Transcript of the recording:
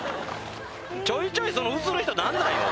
ちょいちょいその写る人何なんよ？